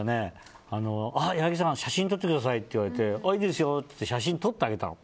あ、矢作さん写真撮ってくださいって言われていいですよって写真撮ってあげたの。